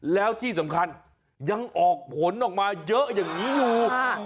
แล้วที่สำคัญยังออกผลออกมาเยอะอย่างนี้อยู่